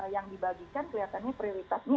yang dibagikan kelihatannya prioritasnya